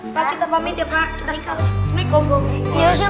mbak kita pamit ya pak kita ikhlas bismillahirrahmanirrahim